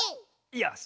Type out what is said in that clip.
よし！